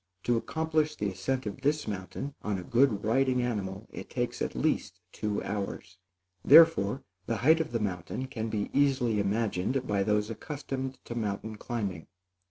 To accomplish the ascent of this mountain on a good riding animal, it takes, at least, two hours; therefore, the height of the mountain can be easily imagined by those accustomed to mountain climbing.